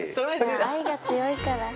愛が強いから。